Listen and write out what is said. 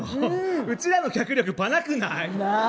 うちらの脚力ぱなくない？なぁ。